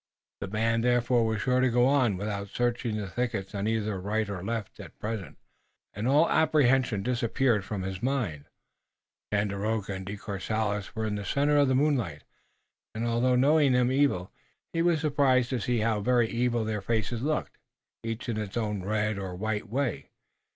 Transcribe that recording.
The band therefore was sure to go on without searching the thickets on either right or left at present, and all immediate apprehension disappeared from his mind. Tandakora and De Courcelles were in the center of the moonlight, and although knowing them evil, he was surprised to see how very evil their faces looked, each in its own red or white way.